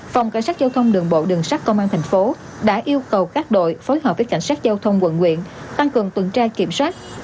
phòng cảnh sát giao thông đường bộ đường sát công an tp hcm đã yêu cầu các đội phối hợp với cảnh sát giao thông quận nguyện tăng cường tuần tra kiểm soát